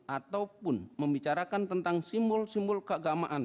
ataupun membicarakan tentang simbol simbol keagamaan